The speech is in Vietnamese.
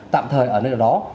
tạm thời ở nơi đó